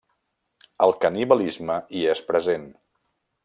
El canibalisme hi és present.